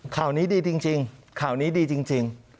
ข่าวนี้ดีจริงจริงข่าวนี้ดีจริงจริง